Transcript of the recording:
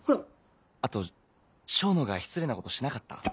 「あと笙野が失礼なことしなかった？